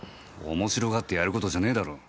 面白がってやる事じゃねえだろ。